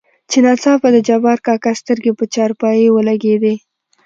چې ناڅاپه دجبارکاکا سترګې په چارپايي ولګېدې.